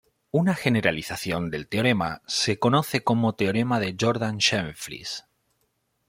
Una generalización del teorema se conoce como teorema de Jordan-Schönflies.